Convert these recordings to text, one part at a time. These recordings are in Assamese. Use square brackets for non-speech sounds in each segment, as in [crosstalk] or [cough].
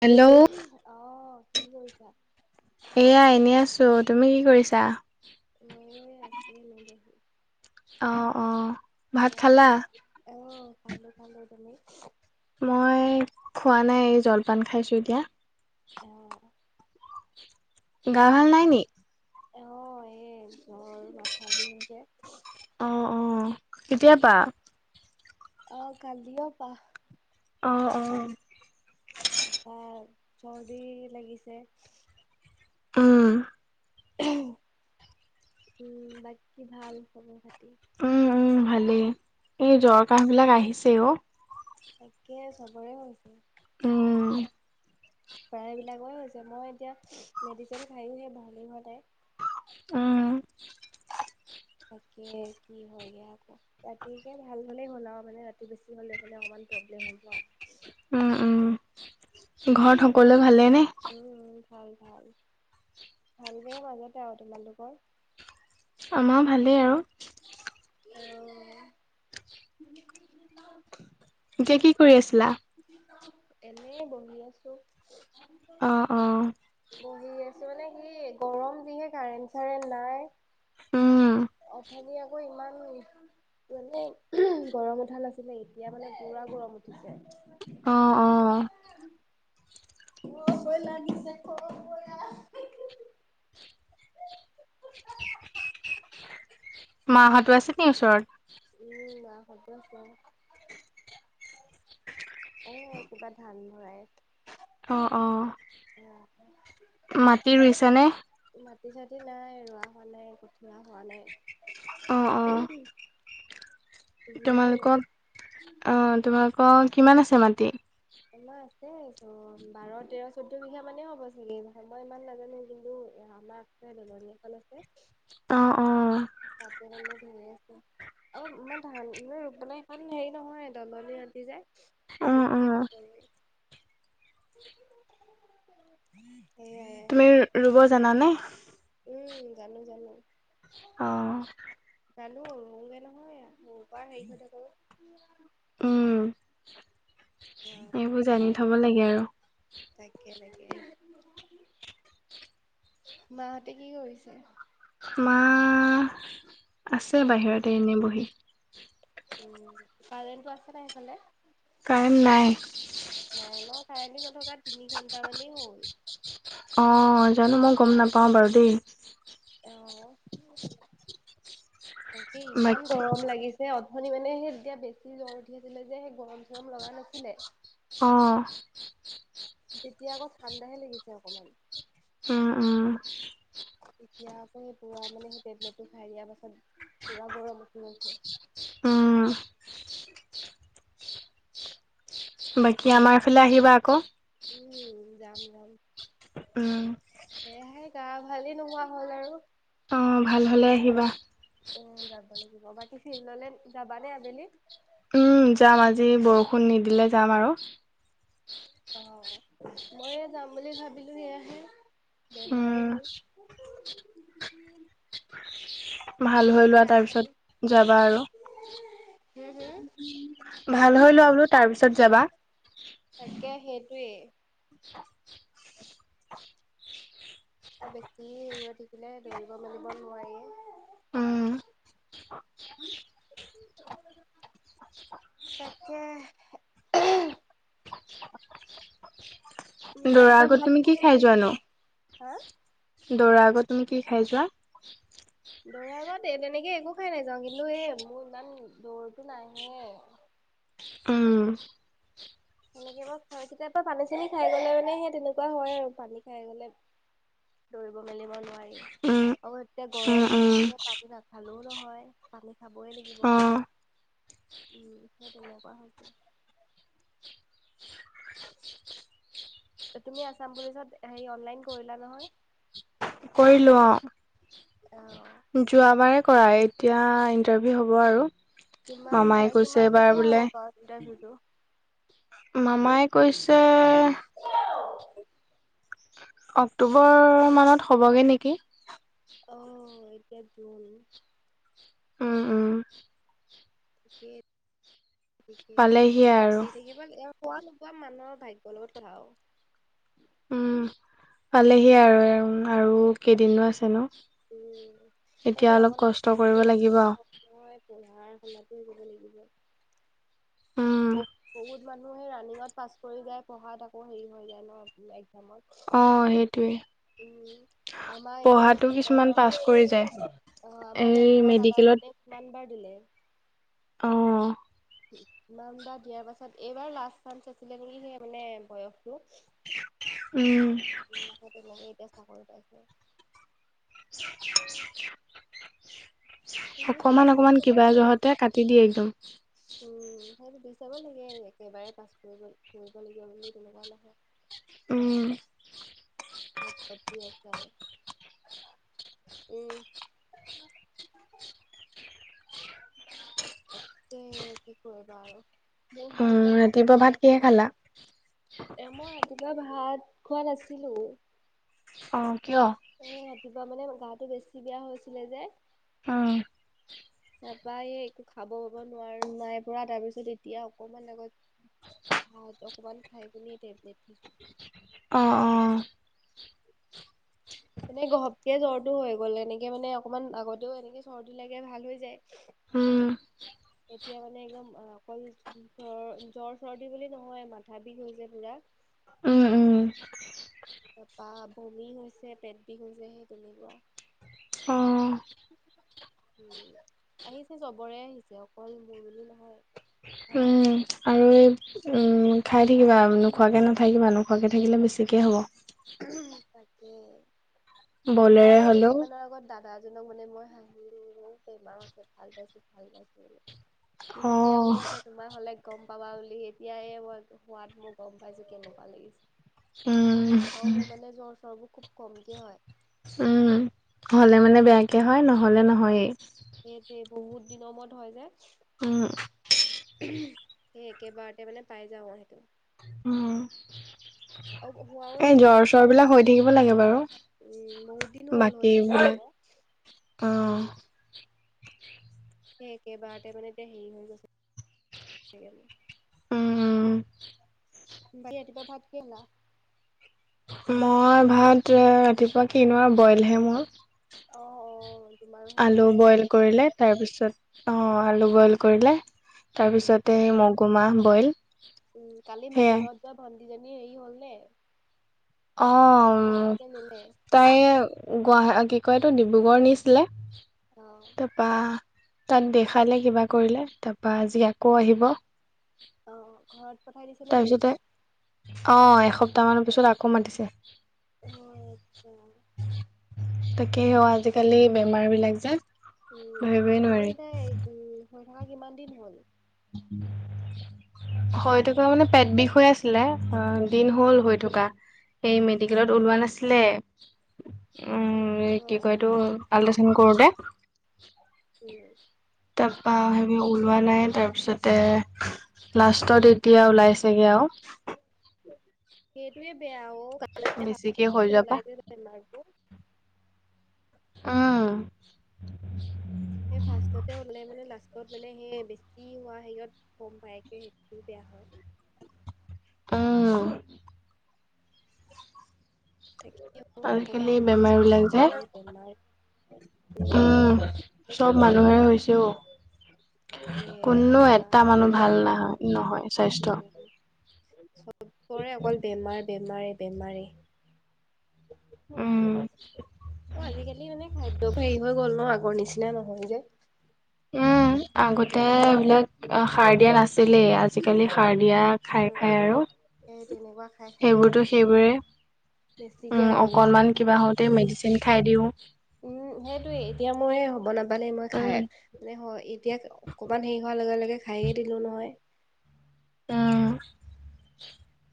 হেল্ল' অহ কি কৰিছা এয়া এনে আছো তুমি কি কৰিছা ময়ো [unintelligible] অ অ ভাত খালা অহ খালো খালো তুমি মই খোৱা নাই এই জলপান খাইছো এতিয়া আহ গা ভাল নাই নি অ এই ঘৰ মাথা দিঙ যে অ অ কেতিয়া পা আহ কালি অ পা অঁ অঁ তাপা চৰ্দি লাগিছে উম উম বাকী ভাল খবৰ খাতি উম উম ভালেই এই এ জ্বৰ কাহ বিলাক আহিছে অ তাকে সবৰে হৈছে। উম। প্ৰায়বিলাকৰে হৈছে মই এতিয়া মেডিচিন খাইও সেই ভালে হোৱা নাই। উম। তাকে কি হয়গে আকৌ? ৰাতিকে ভাল হলেই হ'ল আৰু মানে ৰাতি বেছি হলে মানে অকমান প্ৰব্লেম হব। উম উম। ঘৰত সকলোৱে ভালে নে? উম, ভাল ভাল, ভাল বেয়া মাজতে আও তোমালোকৰ? আমাৰ ভালেই আৰু। উম [inaudible] এতিয়া কি কৰি আছিলা? এনেই বহি আছো। অঁ অঁ বহি আছো মানে সি গৰম যিহে কাৰেণ্ট চাৰেণ্ট নাই। উম অথনিয়ে মোৰ ইমান মানে গৰম উঠা নাছিলে এতিয়া মানে পোৰা গৰম উঠিছে। অঁ অঁ। অ বৈ লাগিছে খৰকৈ আহ [inaudible] [unintelligible] মাহঁতো আছে নি ওচৰত? [inaudible] এ আৰু কিবা ধান ভৰাই অঁ অঁ, মাটি ৰুইছে নে? খেতি চেতি নাই ৰোৱা হোৱা নাই, কঠীয়া হোৱা অ', অ', নাই। যিহে তোমালোকক অ' তোমালোকৰ কিমান আছে মাটি? আমাৰ আছে চ বাৰ তেৰ চৈধ্য বিঘা মানে হ'ব চাগে। মই ইমান নাজানো, কিন্তু আমাৰ অ', [unintelligible] অ', তাতে মানে ধুনীয়াকে অ' মই ধান [unintelligible] দলনি মাটি যে। অ', অ', [inaudible] তুমি ৰুব জানানে? উম, জানো জানো। অ', ৰুঙগে নহয়। [unintelligible] উম, এইবোৰ জানি থব লাগে আৰু। তাকে তাকে মাহঁতে কি কৰিছে? মা আছে বাহিৰতে এনেই বহি। উম, কাৰেণ্টো আছে নাই সেইফালে? কাৰেণ্ট নাই। নাই ন কাৰেণ্টটো নথকা তিনি ঘন্টা মানেই হ'ল। আহ, জানো মই গম নাপাওঁ বাৰু দেই। অ' তাকে বাক ইমান গৰম লাগিছে। অথনি মানে সেই তেতিয়া বেছি জ্বৰ উঠি আছিলে যে, সেই গৰম চৰম লগা নাছিলে। অ'। তেতিয়া আকৌ ঠাণ্ডাহে লাগিছে অকমান। উম উম। এতিয়া আকৌ সেই পুৰা মানে সেই টেবলেটো খাই দিয়াৰ পাছত পুৰা গৰম উঠি গৈছে। উম। বাকী আমাৰফালে আহিবা আকৌ। উম, যাম - যাম। উম, সেয়েহে গা ভালেই নোহোৱা হ'ল আৰু। অ ভাল হলে আহিবা উম যাব লাগিব বাকী ফিল্ডলে যাবা নে আবেলি উম যাম আজি বৰষুণ নিদিলে যাম আৰু অ ময়ো যাম বুলি ভাবিলো সেয়াহে উম, বেমাৰেেই হ'ল ভাল হৈ লোৱা চাই লওঁ। তাৰপিছত যাবা আৰু হম হম ভাল হৈ লোৱা বোলো তাৰ পিছত যাবা ই আ অ বেছি হেৰি হৈ থাকিলে দৌৰিব মেলিব নোৱাৰি উম উম তাকে উম দৌৰা ৰাতিপুৱা আগত ভাত তুমি কি কিহে খাই খাইছিলা? হা যোৱানো দৌৰা আগত তুমি কি খাই যোৱা? দৌৰাৰ আগত তেনেকে একো খাই নাযাওঁ কিন্তু এ মোৰ ইমান দৌৰটোো নাহে। [unintelligible] অঁ সেনেকে ব কেতিয়াবা পানী চানী খাই গলে মানে সেই তেনেকুৱা হয় আৰু পানী খাই গলে। দৌৰিব মেলিব নোৱাৰি উম আৰু এতিয়া উম গৰম উম দিন পানী নাখালেও নহয় পানী খাবই লাগিব। অ উম সেই তেনেুৱা হৈ হৈছে তুমি আচাম পুলিচত হ অনলাইন কৰিলা নহয়? কয়িলোৱা অ কৰা এতিয়া ইন্টাৰভিউ হ'ব আৰু। কিমান মামাই কি কৈছে এবাৰ কেতিয়া বোলে হ'ব বাৰু ইণ্টাৰভিউটো? মামাই কৈছে হেল্ল' অক্টোবৰ মানত হ'বগে নেকি। আহ এতিয়া দোন আহঁ অঁ দি পালেহিয়ে আৰু থাকিবিব খোৱা নোপোৱা মানুহৰ ভাগ্যয়ৰ লগত কথা আৰু উম পালেহি আৰু। আৰু কেইদিননো আছে ন। উম এতিয়া সেইটোৱে অলপ অকণ কষ্ট কৰিব লাগিব উম [unintelligible] [inaudible] ব-বহুত মানুহে ৰানিঙত পাছ কৰি যায়, পঢ়াত আকৌ হেৰি হৈ যায় ন, একজামত। অ সেইটোৱে আমাৰ এতিয়া সেই পঢ়াতটো ওচৰৰ কিছুমান পাছ কৰি যায়। অ, আমাৰ যে এই ওচৰৰ দাদা আছে তেওঁ কিমান বাৰ দিলে। আহ ইমান বাৰ দিয়াৰ পাছত, এইবাৰ লাষ্ট চান্স আছিলে নেকি সেই মানে বয়স উম [unintelligible] এতিয়া চাকৰি পাইছে। [inaudible] দি চাব, দি অকমান-অকমান চাব কিবা লাগে জহতে কাটি দিয়ে একদম। যাব লাগে একেবাৰে পাছ কৰিব-কৰিব লাগিব বুলি তেনেকুৱা নহয়। উম পতি আছে আৰু। উম তে কি কৰিবা আৰু। মোৰ উম ভাগ্যত চাকৰি ৰাতিপুৱা ভাত নাইে কিহে চাগে। খালা এ মই ৰাতিপুৱা ভাত খোৱা নাছিলো। অ। কিয় এ ৰাতিপুৱা মানে গাটো বেছি বেয়া হৈছিলে যে। অম তাৰপাৰা এই একো খাব পাব নোৱাৰো, নাই পৰা, তাৰ পিছত এতিয়া অকমান আগত ভাত অকণমাণ খায় কেনে টেবলেট খাইছো। অঁ অঁ মানে ঘপকে জ্বৰটো হৈ গ'ল এনেকে মানে অকণমান আগতেও এনেকে চৰ্দি লাগে ভাল হৈ যায়। উম এতিয়া মানে একদম অকল জ্বৰ-জ্বৰচৰ্দি বুলি নহয় মাথা বিষ হৈছে পুৰা। উম, উম। পা বমি হৈছে, পেট বিষ হৈছে, সেই তেনেকুৱা। আহ। উ আহিছে চবৰে আহিছে, অকল মোৰ বুলি নহয়। উম। আৰু এই উম খাই থাকিবা, নোখোৱাকে নাথাকিবা, নোখোৱাকে থাকিলে বেছিকে হব। তাকে বলেৰে মই হ'লেও দুদিনমানৰ আগত দাদা এজনক মানে, মই হা বহু বেমাৰ আছে ভাল পাইছো, ভাল পাইছো বলে, সি তেতিয়া অ' আকৌ কৈছে তোমাৰ হলে গম পাবা বুলি এতিয়া এই মই সোৱাদ, মোৰ গম পাইছো কেনেকুৱা লাগিছে। উম। অ মোৰ মানে-জ্বৰ চ্বৰবোৰ খুব কমকে হয়। উম, হলে মানে বেয়াকে হয়, নহ'লে নহয়েই। সেইটোৱে বহুত দিনৰ মূৰত হয় যে। উম। সেই একেবাৰতে মানে পাই যাও সেইটো। উম, আৰু হোৱাও এই নাছিলে জ্বৰ-চৰ বিলাক হৈ থাকিব লাগে বাৰু। উম বহুত দিন হল [unintelligible] আহ। উম সেই একেবাৰতে মানে এতিয়া হেৰি হৈ গৈছে [unintelligible] উম [inaudible] মই ভাত ৰা-ৰাতিপুৱা কিনো আৰু বইলহে মোৰ। অ অ তোমাৰো সেই গা আলু বেয়া বইল কৰিলে তাৰপিছত অ আলু বইল কৰিলে। উম তাৰপিছতে মগু মাহ বইল। উম কালি মাহী সেয়াই ঘৰত যোৱা ভণ্টিজনী হেৰি হল নে? অ গতিকে নিলে তাই গুৱাহাট কি কয়টোো ডিব্ৰুগড় নিছিলে অ তাৰপৰা তাত দেখালে কিবা কৰিলে তাৰপা আজি আকৌ আহিব আহ ঘৰত পঠাই দিছে নেকি তাৰপিছতে অ এসপ্তাহ মানৰ পিছত আকৌ মাতিছে অ আতছা তাকে আজিকালি বেমাৰ বিলাক যে উম ধৰিবই নোৱাৰি এনেই তাই উ হৈ থকা কিমান দিন হ'ল উম হৈ থকা মানে পেট বিষ হৈ আছিলে অ দিন হল হৈ থকা সেই মেডিকেলত ওলোৱা নাছিলে উ অ অ কি কয় এইটো আল্ট্ৰাচাউন কৰোতে উম তাৰপা সেই ওলোৱা নাই তাৰপিছতে লাষ্টত এতিয়া ওলাইছেগে আৰু সেইটোৱে বেয়া অ বেছিকে হৈ গাত যাবা। নোলাই যে বেমাৰটো আহ। সে ফাৰ্ষ্টতে হ'লে মানে লাষ্টত মানে সে বেছি হোৱা হেৰিয়ত কম পায়কে সেইটোও বেয়া হয়। অ'। তাকে নক'বা আজিকালি বেমাৰ চব বিলাক যে মানুহৰে বেমাৰ। উম, চব মানুহেৰে হৈছে তাকে অ'। কি কোনো কৰিবা এটা মানুহ ভাল নহয়, নহয় স্বাস্থ্য। উম চবৰে অকল বেমাৰ, বেমাৰে, বেমাৰে। উম। অ', আজিকালি মানে খাদ্য হেৰি হৈ গ'ল ন' আগৰ নিচিনা নহয় যে। উম, আগতে এইবিলাক সাৰ দিয়া নাছিলেই আজিকালি সাৰ দ দিয়া খাই, উম খাই আৰু সেই তেনেকুৱা খাই খাই বেছি সেইবোৰতো সেইবোৰে বেছিকে উম, হৈ গৈছে অকনমান কিবা হওঁতে মেডিচিন খাই দিওঁ। উম, সেইটোয়ে এতিয়া মোৰে হ'ব ন' মানে মই খাই উম মানে এতিয়া অকমান হেৰি হোৱাৰ লগে লগে খায়ে দিলো নহয়। উম,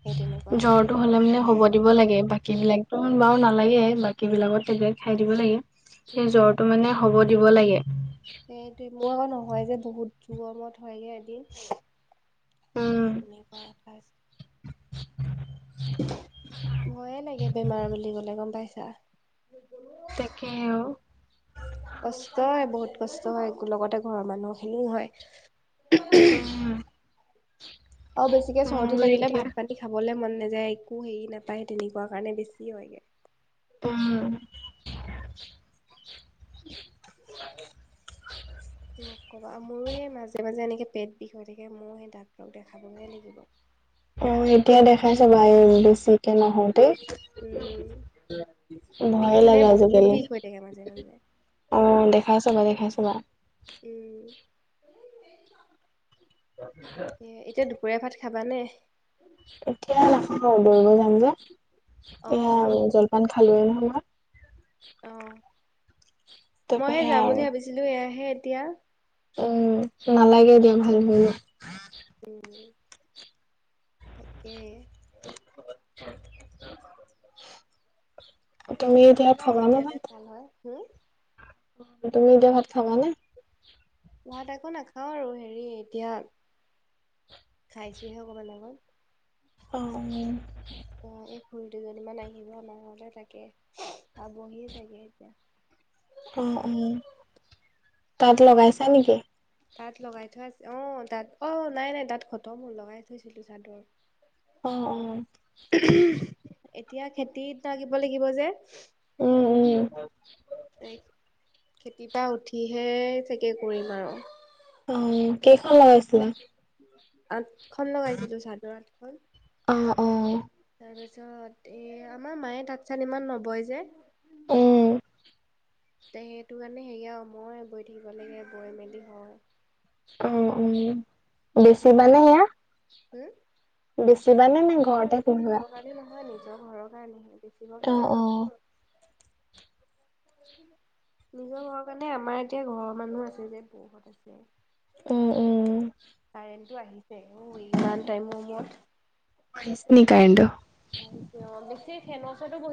সেই তেনেকুৱা হৈছে জ্বৰটো হ'লে মানে হ'ব দিব লাগে বাকী বাকী বিলাকতো বাৰু নালাগে বাকী বিলাকত টেবলেট খাই দিব লাগে সেই জ্বৰটো মানে হ'ব দিব লাগে। এইটো মোৰ আকৌ নহয় যে বহুত জমত হয়গে এদিন। উম সেই তেনেকুৱা ৰা ময়ে লাগে বেমাৰ বুলি ক'লে গম পাইছা। তাকেও কষ্টই বহুত কষ্ট হয় লগতে ঘৰৰ মানুহ খিনিও হয়। হয়, হয়। অ', বেছিকে চৰ্দি লাগিলে এতিয়া ভাত পানী খাবলে মন নাযায়। যে একো হেৰি নাপায় তেনেকুৱা কাৰণে বেছি হয়গে। উম। ক'বা আৰু মোৰো এই মাজে মাজে এনেকে পেট বিষ হৈ থাকে ময়ো সেই ডাক্তৰক দেখাবহে লাগিব। অ', এতিয়া দেখাই চাবাই বেছিকে নহয়। উম। বিষ ভয়ে মানে লাগে বহুত আজিকালি। বিষ হৈ থাকে মাজে মাজে অ', দেখাই চাবা, দেখাই চাবা। তাকে, এতিয়া দুপৰীয়া ভাত খাবানে? এতিয়া লাখ দৌৰিব যাম যে অ এয়া জলপান খালোঁ এ নহ অ', তাৰপা মইহে সেয়া যাম বুলি আৰু ভাবিছিলো এয়াহে এতিয়া। উম, নালাগে দিয়া ভাল বোৰ উম, তাকে। [inaudible] তুমি এতিয়া খাবা নে ভাত? হম? তুমি এতিয়া ভাত খাবানে? ভাত আকৌ নাখাওঁ আৰু হেৰি এতিয়া, খাইছোহে অকমান আগত। অ'। অ', এই খুৰী দুজনী মান আহিব আমাৰ হ'লে তাকে পাবহিয় চাগে এতিয়া। [inaudible] অ', অ', তাত লগাইছা নেকি? তাত লগাই থোৱা অ', তাত অ', নাই নাই তাত খত মোৰ লগাই থৈছিলো চাদৰ। অ', অ'। উমহো, এতিয়া খেতিত লাগিব লাগিব যে। উম - উম। খেতিৰপা উঠিহে চাগে কৰিম আৰু। অ, কেইখন লগাইছিলা। আঠখন লগাইছিলো চাদৰ আঠখন। অ', অ', তাৰপিছত এ আমাৰ মায়ে তাত চাত ইমান নবয় যে। উম তে সেইটো কাৰণে হেৰি আৰু মই বৈ থাকিব লাগে বৈ মেলি হয়। অ', অ ', লাহে বেছিবানে সেয়া লাহে বেছিবানে নে হম ঘৰতে কন্ধোৱা। নিজৰ কাৰণে নহয় নিজৰ ঘৰৰ কাৰণেহে বেচিবৰ কাৰণে নো। নিজৰ ঘৰৰ কাৰণে আমাৰ এতিয়া ঘৰৰ মানুহ আছে যে বহুত আছে। উম উম কাৰেণ্টটো আহিছে উম, ইমান টাইমৰ মূৰত। আহিছে নি কাৰেন্টটো। আহি অ, বেছি খেনৰ চৰতো ব